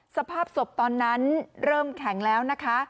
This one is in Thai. สภาพศพตอนนั้นเริ่มแข็งแล้วนะคะ